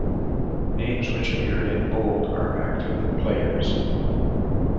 Names which appear in bold are active players.